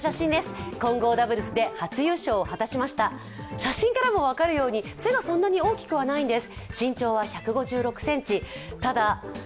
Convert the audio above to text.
写真からも分かるように背はそんなに大きくないんです。